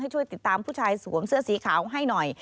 ช่วยติดตามผู้ชายสวมเสื้อสีขาวให้หน่อย